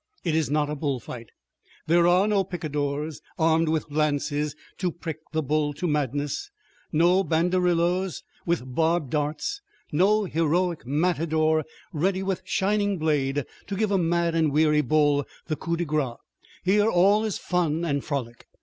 It is not a bullfight. There are no picadors, armed with lances to prick the bull to madness; no banderilleros, with barbed darts; no heroic matador, ready with shining blade to give a mad and weary bull the coup de grace. Here all is fun and frolic.